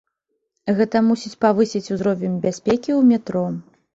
Гэта мусіць павысіць узровень бяспекі ў метро.